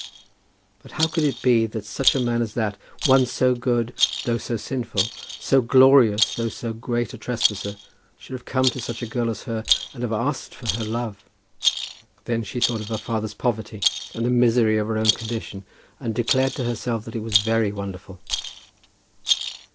But how could it be that such a man as that, one so good though so sinful, so glorious though so great a trespasser, should have come to such a girl as her and have asked for her love? Then she thought of her father's poverty and the misery of her own condition, and declared to herself that it was very wonderful.